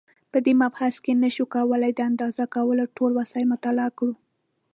په دې مبحث کې نشو کولای د اندازه کولو ټول وسایل مطالعه کړو.